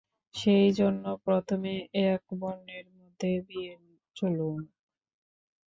সেইজন্য প্রথমে এক বর্ণের মধ্যে বিয়ে চলুক।